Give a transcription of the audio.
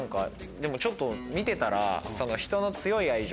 でもちょっと見てたら。